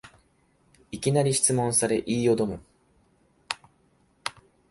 いきなり質問され言いよどむ